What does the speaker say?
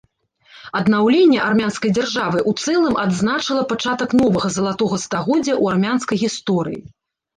Аднаўленне армянскай дзяржавы ў цэлым адзначыла пачатак новага залатога стагоддзя ў армянскай гісторыі.